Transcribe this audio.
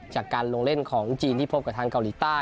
จากการลงเล่นของจีนที่พบกับทางเกาหลีใต้